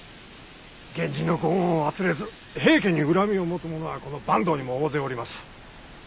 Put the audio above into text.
源氏のご恩を忘れず平家に恨みを持つ者はこの坂東にも大勢おります。